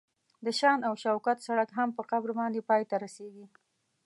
د شان او شوکت سړک هم په قبر باندې پای ته رسیږي.